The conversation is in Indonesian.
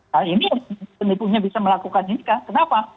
nah ini penipunya bisa melakukan ini kan kenapa